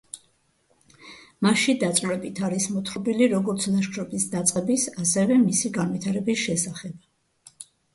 მასში დაწვრილებით არის მოთხრობილი როგორც ლაშქრობის დაწყების, ასევე მისი განვითარების შესახებ.